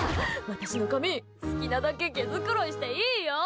私の髪、好きなだけ毛づくろいしていいよ！